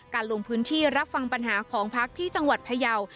ลงพื้นที่รับฟังปัญหาของพักที่จังหวัดพยาว